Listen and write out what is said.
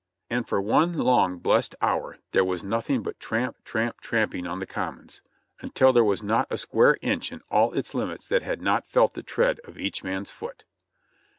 And for one long blessed hour there was nothing but tramp, tramp, tramping on the commons, until there was not a square inch in all its limits that had not felt the tread of each man's foot.